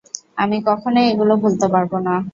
আমি কখনোই এগুলো ভুলতে পারবো না।